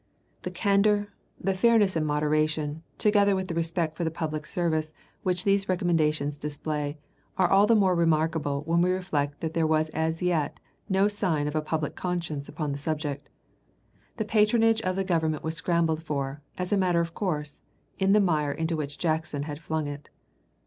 The candor, the fairness and moderation, together with the respect for the public service which these recommendations display, are all the more remarkable when we reflect that there was as yet no sign of a public conscience upon the subject. The patronage of the Government was scrambled for, as a matter of course, in the mire into which Jackson had flung it.